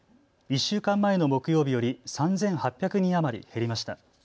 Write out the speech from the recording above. １週間前の木曜日より３８００人余り減りました。